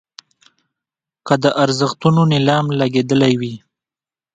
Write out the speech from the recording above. که د ارزښتونو نیلام لګېدلی وي.